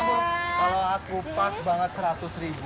kalau aku pas banget seratus ribu